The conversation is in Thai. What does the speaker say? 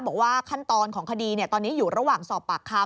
บอกว่าขั้นตอนของคดีตอนนี้อยู่ระหว่างสอบปากคำ